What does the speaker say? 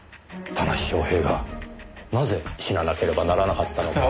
田無昌平がなぜ死ななければならなかったのか。